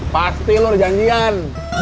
pasti lo udah janjian